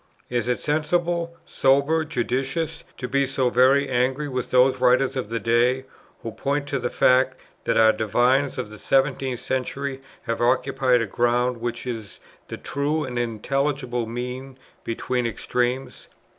Is it sensible, sober, judicious, to be so very angry with those writers of the day, who point to the fact, that our divines of the seventeenth century have occupied a ground which is the true and intelligible mean between extremes?